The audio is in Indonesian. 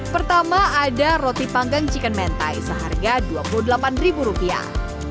pertama ada roti panggang chicken mentai seharga dua puluh delapan ribu rupiah